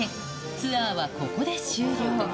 ツアーはここで終了。